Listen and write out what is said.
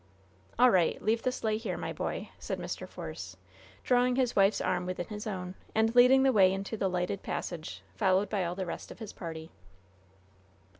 "All right; leave the sleigh here, my boy," said Mr. Force, drawing his wife's arm within his own, and leading the way into the lighted passage, followed by all the rest of his party.